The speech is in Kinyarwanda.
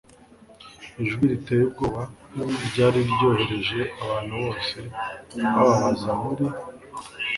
ijwi riteye ubwoba ryari ryohereje abantu bose bababaza muri